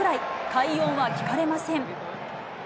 快音は聞かれません。